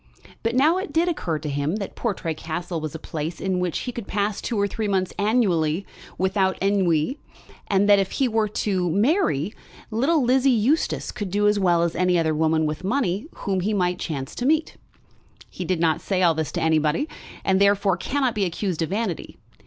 But now it did occur to him that Portray Castle was a place in which he could pass two or three months annually without ennui; and that if he were to marry, little Lizzie Eustace would do as well as any other woman with money whom he might chance to meet. He did not say all this to anybody, and therefore cannot be accused of vanity.